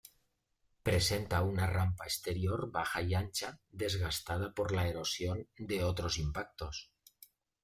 Presenta una rampa exterior baja y ancha, desgastada por la erosión de otros impactos.